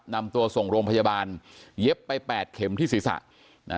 นำตัวส่งโรงพยาบาลเย็บไปแปดเข็มที่ศีรษะนะ